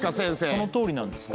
そのとおりなんですか？